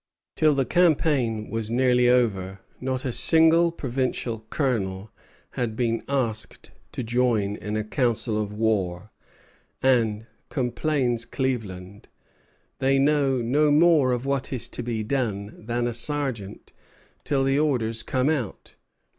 Till the campaign was nearly over, not a single provincial colonel had been asked to join in a council of war; and, complains Cleaveland, "they know no more of what is to be done than a sergeant, till the orders come out."